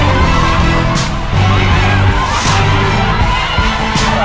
มีทั้งหมด๔จานแล้วนะฮะ